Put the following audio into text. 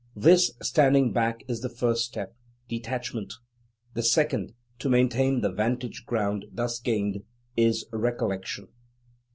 This standing back is the first step, detachment. The second, to maintain the vantage ground thus gained, is recollection.